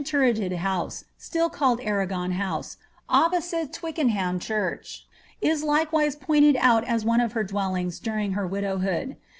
turreted house, still called Arragon House, opposite Twickenham churchi is likewise pointed out as one of her dwellings during her widowhood.